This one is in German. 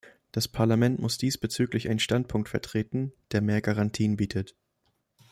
Das Parlament muss diesbezüglich einen Standpunkt vertreten, der mehr Garantien bietet.